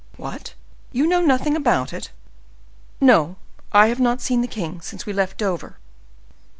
"What! you know nothing about it?" "No! I have not seen the king since we left Dover."